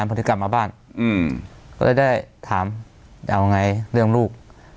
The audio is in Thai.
ก็ได้ถามความรู้สึกเรื่องลูก